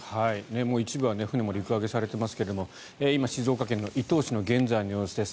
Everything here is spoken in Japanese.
一部は船も陸揚げされてますけど今、静岡県の伊東市の現在の様子です。